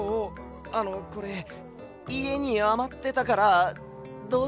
あのこれいえにあまってたからどうぞ。